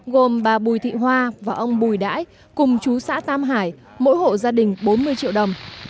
gồm bà bùi thị hoa và ông bùi đãi cùng chú xã tam hải mỗi hộ gia đình bốn mươi triệu đồng